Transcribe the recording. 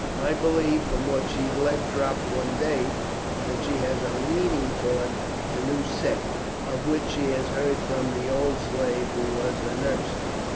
I believe, from what she let drop one day, that she has a leaning towards the new sect, of which she has heard from the old slave who was her nurse.